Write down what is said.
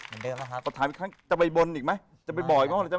ประถามกว่าจะไปบนอีกไหม